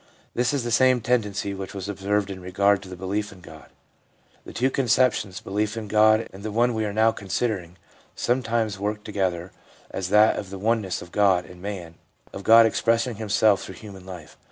This is the same tendency which was observed in regard to the belief in God. The two conceptions, belief in God and the one we are now considering, sometimes work together as that of the one ness of God and man, of God expressing himself through human life.